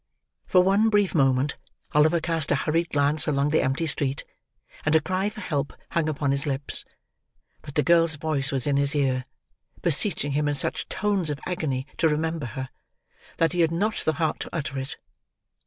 For one brief moment, Oliver cast a hurried glance along the empty street, and a cry for help hung upon his lips. But the girl's voice was in his ear, beseeching him in such tones of agony to remember her, that he had not the heart to utter it.